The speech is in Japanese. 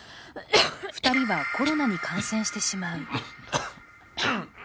２人はコロナに感染してしまう。